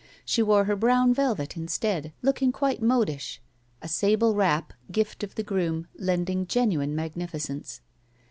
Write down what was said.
She wore her brown velvet, instead, looking quite modish, a sable wrap, gift of the groom, lending genuine magnificence.